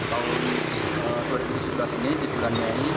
tahun dua ribu tujuh belas ini di bulannya ini